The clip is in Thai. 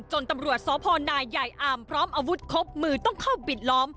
ตำรวจสพนาใหญ่อามพร้อมอาวุธครบมือต้องเข้าปิดล้อม